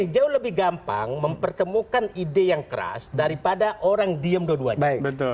jauh lebih gampang mempertemukan ide yang keras daripada orang diem dua duanya